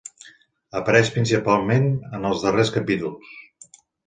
Apareix principalment en els darrers capítols.